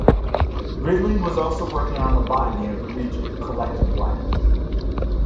Ridley was also working on the botany of the region, collecting widely.